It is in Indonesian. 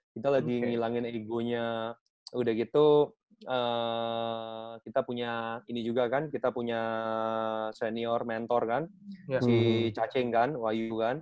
kita lagi ngilangin egonya udah gitu kita punya ini juga kan kita punya senior mentor kan si cacing kan wahyu kan